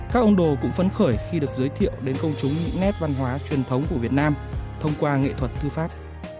các ông đồ cũng phấn khởi khi được giới thiệu đến công chúng những nét văn hóa truyền thống của việt nam thông qua nghệ thuật thư pháp